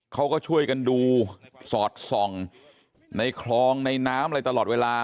เขาก็ช่วยกันดูสอดส่องในคลองในน้ำอะไรตลอดเวลา